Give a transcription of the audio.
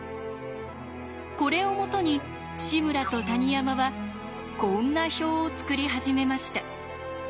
これを基に志村と谷山はこんな表を作り始めました。